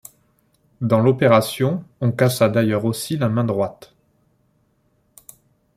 Dans l'opération, on cassa d'ailleurs aussi la main droite.